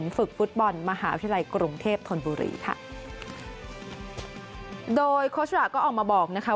ฝึกฟุตบอลมหาวิทยาลัยกรุงเทพธนบุรีค่ะโดยโค้ชระก็ออกมาบอกนะคะ